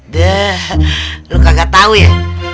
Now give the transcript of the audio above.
duh lu kagak tau ya